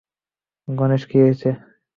গণেশ, কি হয়েছে?